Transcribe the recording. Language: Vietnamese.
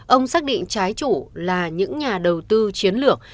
ông xác định trái chủ là những nhà đầu tư chiến lược